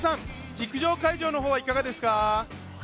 陸上会場の方はいかがですか。